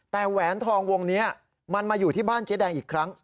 แต่แหวนทองวงนี้มันมาอยู่ที่บ้านเจ๊แดงอีกครั้ง